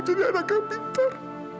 jadi anak yang pintar